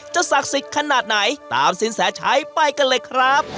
ศักดิ์สิทธิ์ขนาดไหนตามสินแสชัยไปกันเลยครับ